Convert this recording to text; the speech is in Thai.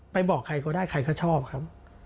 บอกใครก็ได้ใครก็ชอบครับ